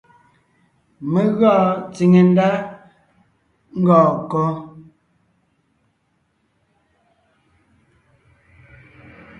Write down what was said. Mé gɔɔn tsìŋe ndá ngɔɔn kɔ́?